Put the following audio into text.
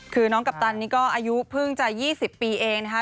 คือน้องกัปตันนี่ก็อายุเพิ่งจะ๒๐ปีเองนะคะ